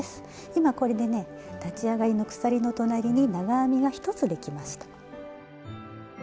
今これでね立ち上がりの鎖の隣に長編みが１つできました。